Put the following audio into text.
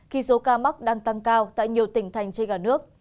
khi số ca mắc đang tăng cao tại nhiều tỉnh thành chây gà nước